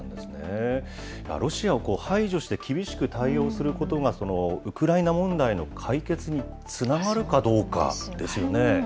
ロシアを排除して厳しく対応することが、ウクライナ問題の解決につながるかどうかですよね。